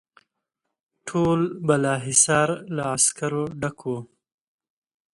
ټول بالاحصار له عسکرو ډک وو.